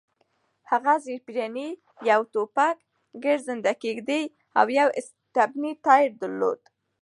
هغه زېرپېرني، یو ټوپک، ګرځنده کېږدۍ او یو سټپني ټایر درلود.